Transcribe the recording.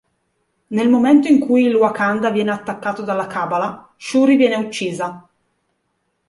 Nel momento in cui il Wakanda viene attaccato dalla Cabala, Shuri viene uccisa.